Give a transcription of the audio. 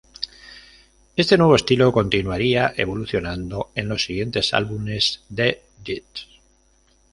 Este nuevo estilo continuaría evolucionando en los siguientes álbumes de Death.